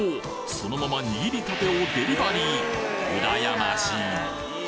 そのまま握りたてをデリバリーうらやましい